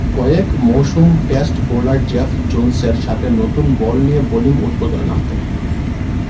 কয়েক মৌসুম test bowler Jeff জোন্সের সাথে নতুন বল নিয়ে বোলিং উদ্বোধনে নামতেন।